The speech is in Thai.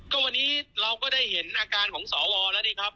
ก็วันนี้เราก็ได้เห็นอาการของสวแล้วนี่ครับ